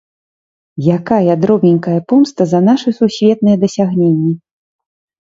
Якая дробненькая помста за нашы сусветныя дасягненні!